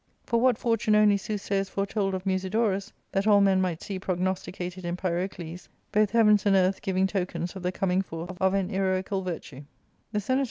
For what fortune only / soothsayers foretold of Musidorus, that all men might seer ' prognosticated in Pyrocles, both heavens and earth giving a' tokens of the coming forth of an heroical virtue. The senate